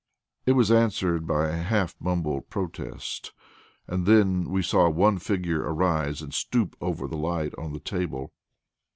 It was answered by a half mumbled protest, and then we saw one figure arise and stoop over the light on the table.